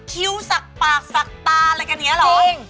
คิ้วสักปากสักตาอะไรกันอย่างนี้เหรอจริง